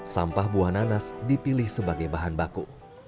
sampah buah nanas dipilih sebagai bahan baku